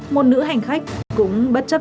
một nữ hành khách cũng bất chấp